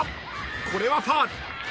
［これはファウル］